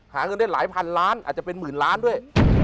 หาเงินได้หลายพันล้านอาจจะเป็นหมื่นล้านด้วย